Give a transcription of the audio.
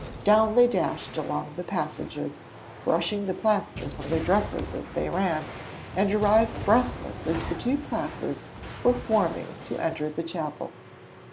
Down they dashed along the passages, brushing the plaster from their dresses as they ran, and arrived breathless as the two classes were forming to enter the chapel.